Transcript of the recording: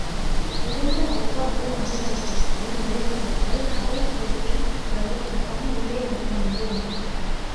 இரண்டு அவ்வாறு ஆடுகளத்திற்குள் நுழைபவர்கள் கடைக் கோட்டின் வழியாகத்தான் உள்ளே வர வேண்டும்.